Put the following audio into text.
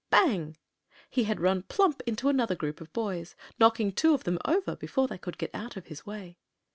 Bang! He had run plump into another group of boys, knocking two of them over before they could get out of his way.